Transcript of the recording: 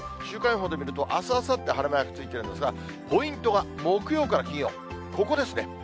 週間予報で見ると、あす、あさって、晴れマークついてるんですが、ポイントが木曜から金曜、ここですね。